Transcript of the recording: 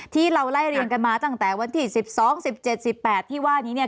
ที่เราไล่เรียงกันมาตั้งแต่วันที่สิบสองสิบเจ็ดสิบแปดที่ว่านี้เนี่ย